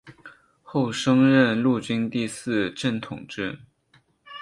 后升任陆军第四镇统制。